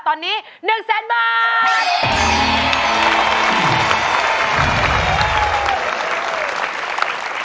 ตอนนี้๑แสนบาท